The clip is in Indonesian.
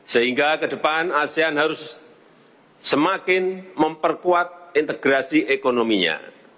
sehingga ke depan asean harus semakin memperkuat integrasi ekonominya